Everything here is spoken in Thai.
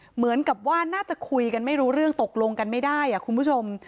เหมือนกับว่าน่าจะคุยกันไม่รู้เรื่องตกลงกันไม่ได้คุณผู้ชม